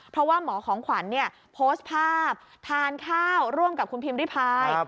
เพราะว่าหมอของขวัญโพสต์ภาพทานข้าวร่วมกับคุณพิมพิพาย